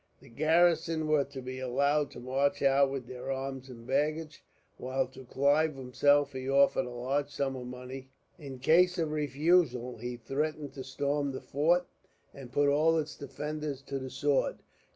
The garrison were to be allowed to march out with their arms and baggage, while to Clive himself he offered a large sum of money. In case of refusal, he threatened to storm the fort, and put all its defenders to the sword.